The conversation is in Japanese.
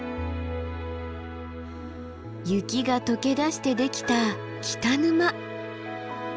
雪が解けだしてできた北沼！